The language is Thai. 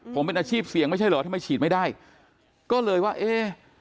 ผมเป็นอาชีพเสี่ยงไม่ใช่เหรอทำไมฉีดไม่ได้ก็เลยว่าเอ๊ะ